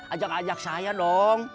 ajak ajak saya dong